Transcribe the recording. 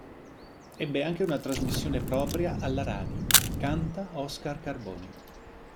Ebbe anche una trasmissione propria alla radio: "Canta Oscar Carboni".